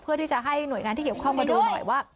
เพื่อให้หน่วยการที่เก็บเข้ามาดูหน่อยว่า